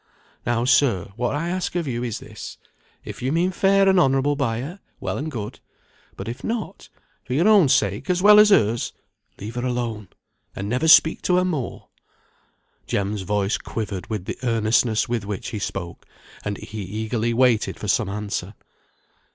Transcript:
Now, sir, what I ask of you is this. If you mean fair and honourable by her, well and good; but if not, for your own sake as well as hers, leave her alone, and never speak to her more." Jem's voice quivered with the earnestness with which he spoke, and he eagerly waited for some answer.